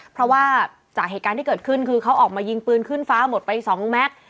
เพราะว่าจากเหตุการณ์ที่เกิดขึ้นคือเขาออกมายิงปืนขึ้นฟ้าหมดไป๒แม็กซ์